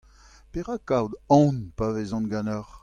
Perak kaout aon pa vezan ganeoc'h ?